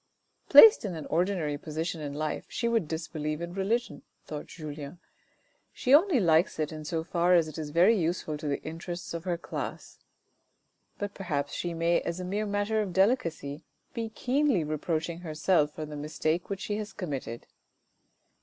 " Placed in an ordinary position in life she would disbelieve in religion," thought Julien, " she only likes it in so far as it is very useful to the interests of her class." But perhaps she may as a mere matter of delicacy be keenly reproaching herself for the mistake which she has committed.